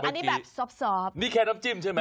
นี่แค่น้ำจิ้มใช่ไหม